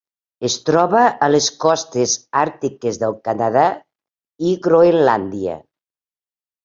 Es troba a les costes àrtiques del Canadà i Groenlàndia.